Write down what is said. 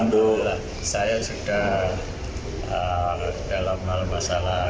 untuk saya sudah dalam hal masalah alhamdulillah rumah sudah punya dua saya rumah